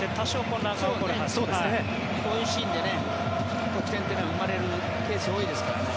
こういうシーンで得点が生まれるケースが多いですからね。